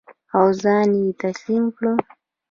او ځان یې تسلیم کړ.